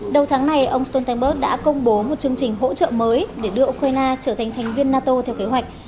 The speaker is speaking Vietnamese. đầu tháng này ông stoltenberg đã công bố một chương trình hỗ trợ mới để đưa ukraine trở thành thành viên nato theo kế hoạch